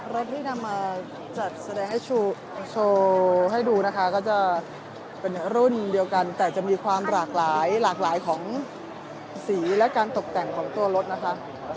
รถที่นำมาจัดแสดงให้โชว์ให้ดูนะคะก็จะเป็นรุ่นเดียวกันแต่จะมีความหลากหลายหลากหลายของสีและการตกแต่งของตัวรถนะคะ